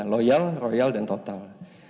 loyal royal dan total